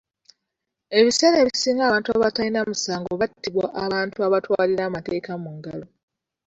Ebiseera ebisinga abantu abatalina musango battibwa abantu abatwalira amateeka mu ngalo.